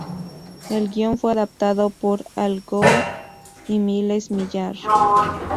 El guion fue adaptado por Al Gough y Miles Millar.